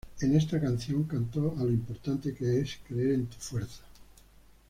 En esta canción, canto a lo importante que es creer en tu fuerza.